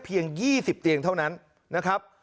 ๒๐เตียงเท่านั้นนะครับ